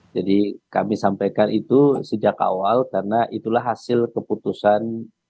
jadi kami sampaikan itu sejak awal karena itulah hasil keputusan